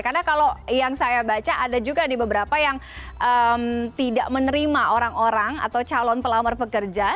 karena kalau yang saya baca ada juga di beberapa yang tidak menerima orang orang atau calon pelamar pekerja